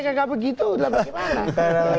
tidak begitu bagaimana